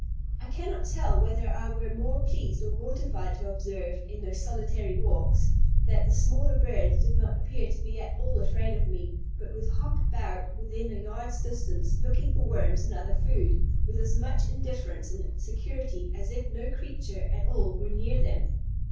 I cannot tell whether I were more pleased or mortified to observe, in those solitary walks, that the smaller birds did not appear to be at all afraid of me, but would hop about within a yard's distance, looking for worms and other food, with as much indifference and security as if no creature at all were near them.